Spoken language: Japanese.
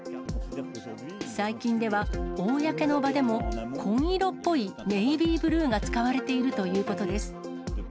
最近では、公の場でも紺色っぽいネイビーブルーが使われているということです。